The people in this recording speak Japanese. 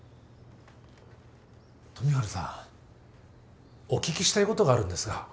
富治さんお聞きしたいことがあるんですが。